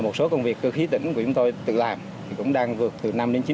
một số công việc cơ khí tỉnh của chúng tôi tự làm cũng đang vượt từ năm chín